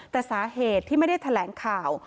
แต่สาเหตุที่ไม่ได้แถลงข่าว